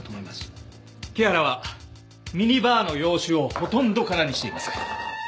木原はミニバーの洋酒をほとんど空にしています。